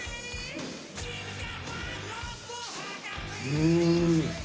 うん。